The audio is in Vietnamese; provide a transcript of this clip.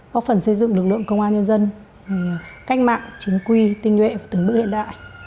bóc phần xây dựng lực lượng công an nhân dân cách mạng chính quy tinh nguyện và tưởng nữ hiện đại